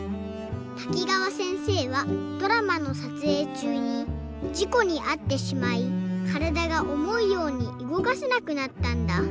滝川せんせいはドラマのさつえいちゅうにじこにあってしまいからだがおもうようにうごかせなくなったんだ。